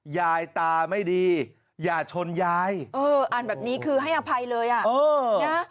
ยายตาไม่ดีอย่าชนยายเอออ่านแบบนี้คือให้อภัยเลยอ่ะเออนะ